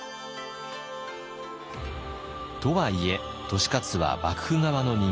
とはいえ利勝は幕府側の人間。